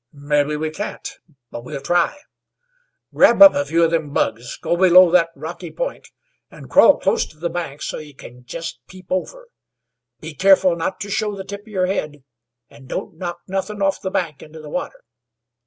"Mebbe we can't; but we'll try. Grab up a few of them bugs, go below thet rocky point, an' crawl close to the bank so you can jest peep over. Be keerful not to show the tip of your head, an' don't knock nothin' off'en the bank into the water.